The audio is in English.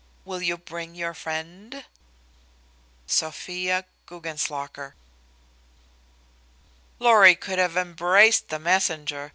Will you bring your friend? "SOPHIA GUGGENSLOCKER." Lorry could have embraced the messenger.